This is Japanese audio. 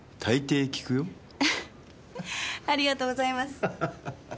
アハありがとうございます。